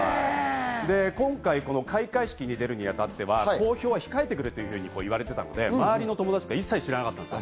今回、開会式に出るにあたっては公表は控えてくれと言われていたので、周りの友達は一切、知らなかったんですよ。